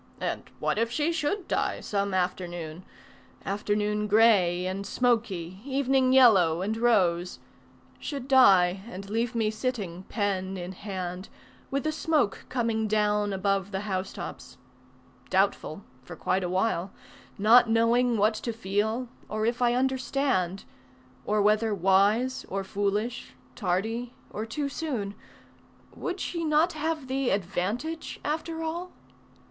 and what if she should die some afternoon, Afternoon grey and smoky, evening yellow and rose; Should die and leave me sitting pen in hand With the smoke coming down above the housetops; Doubtful, for quite a while Not knowing what to feel or if I understand Or whether wise or foolish, tardy or too soon... Would she not have the advantage, after all?